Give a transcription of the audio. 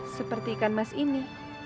seperti ikan mas ini